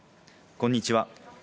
こんにちは。